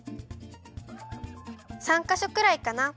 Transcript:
３かしょくらいかな。